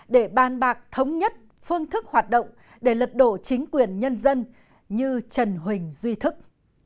để bàn bạc thống nhất phương thức hoạt động để lật đổ chính quyền nhân dân như trần huỳnh duy thức